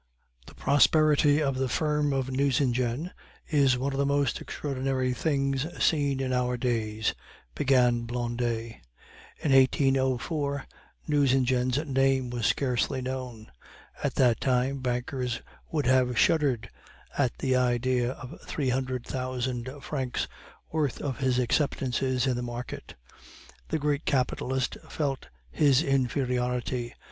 "The prosperity of the firm of Nucingen is one of the most extraordinary things seen in our days," began Blondet. "In 1804 Nucingen's name was scarcely known. At that time bankers would have shuddered at the idea of three hundred thousand francs' worth of his acceptances in the market. The great capitalist felt his inferiority.